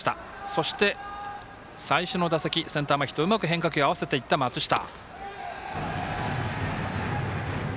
そして、最初の打席センター前ヒットうまく変化球合わせていった松下。